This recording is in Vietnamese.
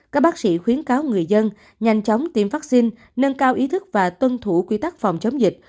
các bác sĩ khuyến cáo người dân nhanh chóng tiêm vaccine nâng cao ý thức và tuân thủ quy tắc phòng chống dịch